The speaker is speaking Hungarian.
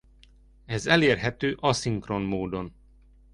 Ez elérhető aszinkron módon.